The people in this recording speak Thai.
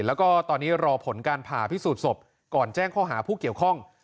แล้วก็ตอนนี้รอผลการผ่าพิสูจน์ศพก่อนแจ้งข้อหาผู้เกี่ยวข้อง